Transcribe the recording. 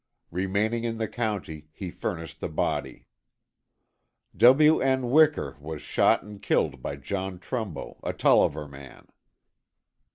Remaining in the county, he furnished the body. W. N. Wicher was shot and killed by John Trumbo, a Tolliver man.